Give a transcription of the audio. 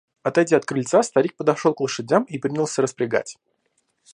Отойдя от крыльца, старик подошел к лошадям и принялся распрягать.